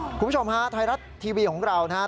คุณผู้ชมฮะไทยรัฐทีวีของเรานะครับ